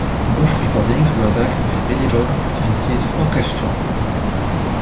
Both recordings were backed by Billy Vaughn and his Orchestra.